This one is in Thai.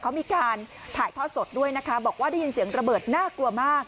เขามีการถ่ายทอดสดด้วยนะคะบอกว่าได้ยินเสียงระเบิดน่ากลัวมาก